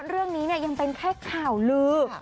เรื่องนี้ยังเป็นแค่ข่าวลือ